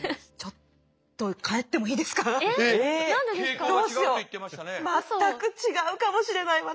ちょっとどうしよう全く違うかもしれない私。